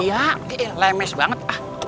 iya lemes banget